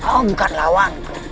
kau bukan lawan